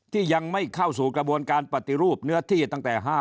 ที่ยังไม่เข้าสู่กระบวนการปฏิรูปเนื้อที่ตั้งแต่๕๐